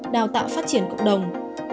đào tạo phát triển cộng đồng